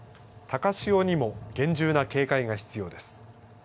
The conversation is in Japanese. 高潮にも厳重な警戒が必要です。